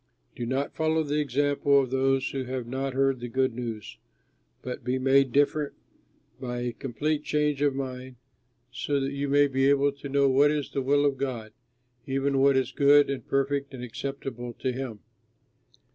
Do not follow the example of those who have not heard the good news, but be made different by a complete change of mind, so that you may be able to know what is the will of God, even what is good and perfect and acceptable to him.